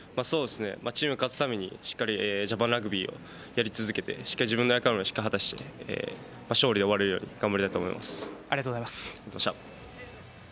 チームが勝つためにしっかりジャパンラグビーをやり続けて自分の役割をしっかり果たして勝利で終われるようにありがとうございました。